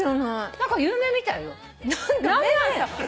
何か有名みたいよ。